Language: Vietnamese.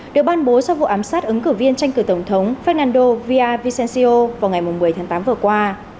được ban bố sau vụ ám sát ứng cử viên tranh cử tổng thống fernandovia vicensio vào ngày một mươi tháng tám vừa qua